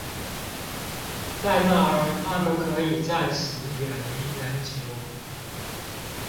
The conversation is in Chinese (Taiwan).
在那兒他們可以暫時遠離人群